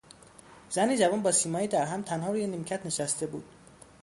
زنی جوان، با سیمایی در هم، تنها روی نیمکت نشسته بود.